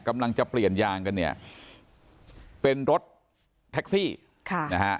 กำลังจะเปลี่ยนยางกันเนี่ยเป็นรถแท็กซี่ค่ะนะฮะ